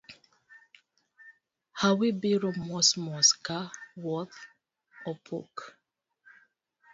Hawi biro mos mos ka wuodh opuk.